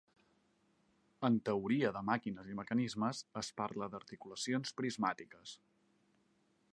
En teoria de màquines i mecanismes es parla d'articulacions prismàtiques.